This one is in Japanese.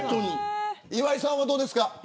岩井さんはどうですか。